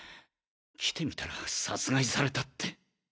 来てみたら殺害されたって。